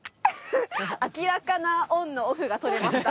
明らかなオンのオフが撮れました。